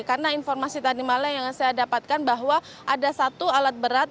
karena informasi tadi malah yang saya dapatkan bahwa ada satu alat berat